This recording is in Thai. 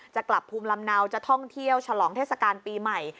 จะกลับภูมิลำเนาจะท่องเที่ยวฉลองเทศกาลปีใหม่